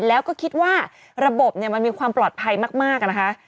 แล้วก็คิดว่าระบบมันมีความปลอดภัยมากนะคะ